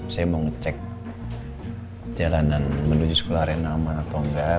saya mau ngecek jalanan menuju sekolah ren aman atau enggak